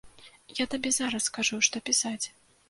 Я табе зараз скажу, што пісаць.